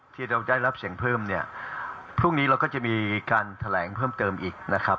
ที่เราได้รับเสียงเพิ่มเนี่ยพรุ่งนี้เราก็จะมีการแถลงเพิ่มเติมอีกนะครับ